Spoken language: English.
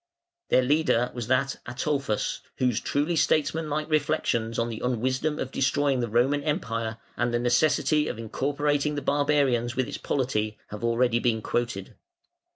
Their leader was that Ataulfus whose truly statesmanlike reflections on the unwisdom of destroying the Roman Empire and the necessity of incorporating the barbarians with its polity have been already quoted.